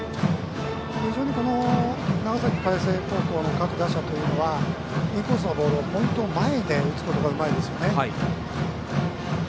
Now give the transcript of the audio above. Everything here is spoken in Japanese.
非常に、長崎・海星高校の各打者というのはインコースのボールをポイントの前で打つことがうまいですね。